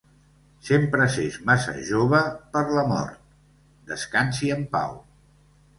Sempre s’és massa jove per la mort… descansi en pau.